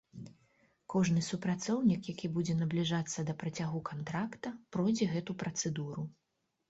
Кожны супрацоўнік, які будзе набліжацца да працягу кантракта, пройдзе гэту працэдуру.